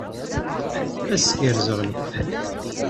Ad s-gerrzeɣ lekfen.